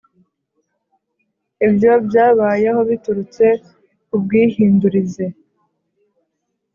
Ibyo byabayeho biturutse ku bwihindurize